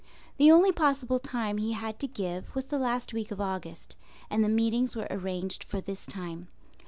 The only possible time he had to give was the last week of August, and the meetings were arranged for this time.